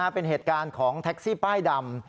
เป็นเหตุการณ์ของแท็กซี่ป้ายดำ